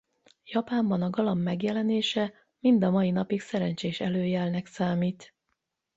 Japánban a galamb megjelenése mind a mai napig szerencsés előjelnek számít.